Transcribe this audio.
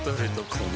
この